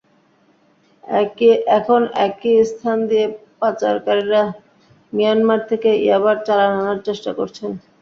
এখন একই স্থান দিয়ে পাচারকারীরা মিয়ানমার থেকে ইয়াবার চালান আনার চেষ্টা করছেন।